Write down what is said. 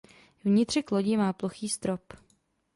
Vnitřek lodi má plochý strop.